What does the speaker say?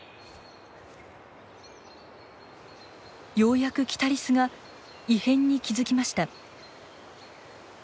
ようやくキタリスが異変に気付きました。